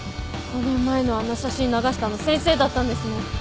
５年前のあの写真流したの先生だったんですね。